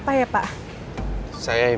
saat aku udah rutin